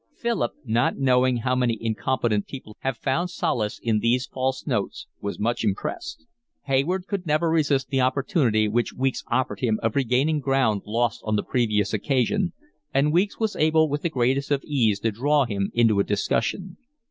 Philip, not knowing how many incompetent people have found solace in these false notes, was much impressed. Hayward could never resist the opportunity which Weeks offered him of regaining ground lost on a previous occasion, and Weeks was able with the greatest ease to draw him into a discussion.